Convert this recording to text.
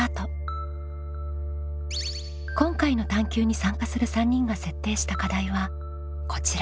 今回の探究に参加する３人が設定した課題はこちら。